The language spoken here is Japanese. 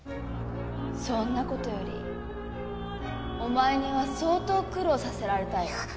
そんなことよりお前には相当苦労させられたよ。